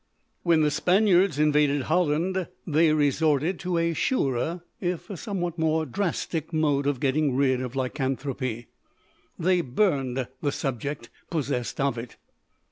When the Spaniards invaded Holland they resorted to a surer, if a somewhat more drastic, mode of getting rid of lycanthropy they burned the subject possessed of it.